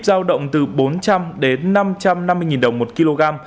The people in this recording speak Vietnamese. giao động từ bốn trăm linh đến năm trăm năm mươi đồng một kg